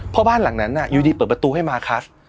เพราะบ้านหลังนั้นอยู่ดีเปิดประตูให้มาคัส